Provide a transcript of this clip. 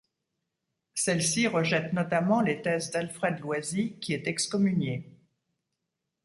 Celle-ci rejette notamment les thèses d'Alfred Loisy qui est excommunié.